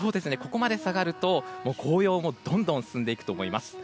ここまで下がると紅葉もどんどん進んでいくと思われます。